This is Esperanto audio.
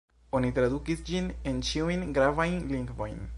Oni tradukis ĝin en ĉiujn gravajn lingvojn.